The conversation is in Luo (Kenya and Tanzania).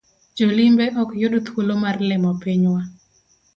Jolimbe ok yud thuolo mar limo pinywa.